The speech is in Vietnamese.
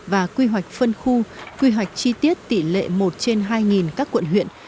và quy hoạch phân khu quy hoạch chi tiết tỷ lệ một trên hai các quận huyện